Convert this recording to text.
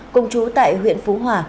cùng chú tại huyện phú hòa